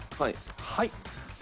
はい。